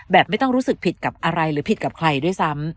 แบบไม่ต้องรู้สึกผิดกับอะไรหรือผิดกับใครด้วยซ้ำ